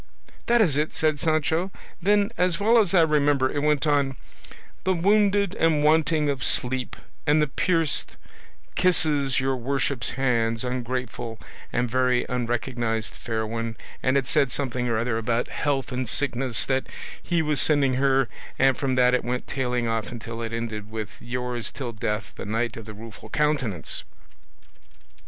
'" "That is it," said Sancho; "then, as well as I remember, it went on, 'The wounded, and wanting of sleep, and the pierced, kisses your worship's hands, ungrateful and very unrecognised fair one; and it said something or other about health and sickness that he was sending her; and from that it went tailing off until it ended with 'Yours till death, the Knight of the Rueful Countenance."